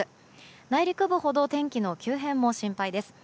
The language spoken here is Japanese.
内陸部ほど天気の急変も心配です。